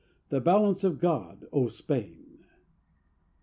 the balance of God, O Spain!